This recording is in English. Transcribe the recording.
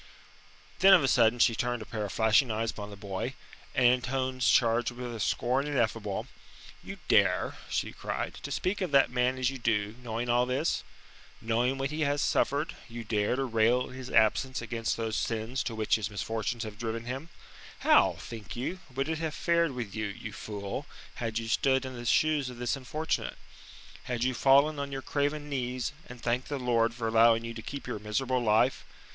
Then of a sudden she turned a pair of flashing eyes upon the boy, and in tones charged with a scorn ineffable: "You dare," she cried, "to speak of that man as you do, knowing all this? Knowing what he has suffered, you dare to rail in his absence against those sins to which his misfortunes have driven him? How, think you, would it have fared with you, you fool, had you stood in the shoes of this unfortunate? Had you fallen on your craven knees, and thanked the Lord for allowing you to keep your miserable life?